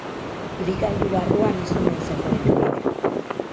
Ibilgailu barruan ez omen zegoen inor.